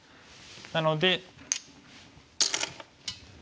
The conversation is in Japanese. なので。